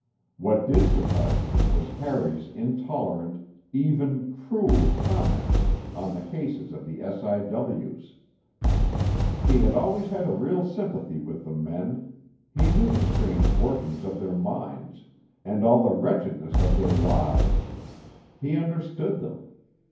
What did surprise me was Harry's intolerant, even cruel, comments on the cases of the S.I.W.'s. He had always had a real sympathy with the men, he knew the strange workings of their minds, and all the wretchedness of their lives; he understood them.